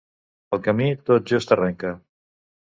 El camí tot just arrenca.